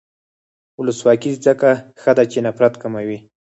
ولسواکي ځکه ښه ده چې نفرت کموي.